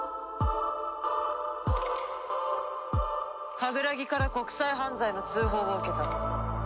カグラギから国際犯罪の通報を受けた。